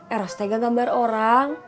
eros teh gak gambar orang